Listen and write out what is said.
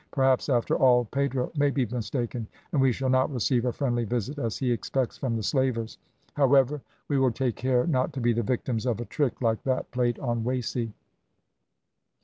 Perhaps after all Pedro may be mistaken, and we shall not receive a friendly visit as he expects from the slavers. However, we will take care not to be the victims of a trick like that played on Wasey."